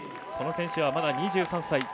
この選手はまだ２３歳。